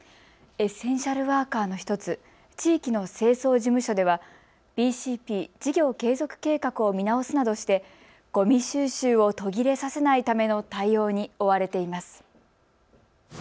エッセンシャルワーカーの１つ、地域の清掃事務所ではＢＣＰ・事業継続計画を見直すなどしてごみ収集を途切れさせないための対応に追われています。